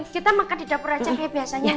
kita makan di dapur aja ya biasanya